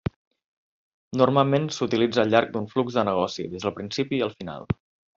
Normalment s'utilitza al llarg d'un flux de negoci, des del principi al final.